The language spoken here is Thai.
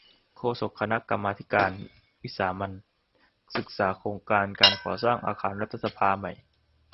โฆษกคณะกรรมาธิการวิสามัญ ศึกษาโครงการก่อสร้างอาคารรัฐสภาใหม่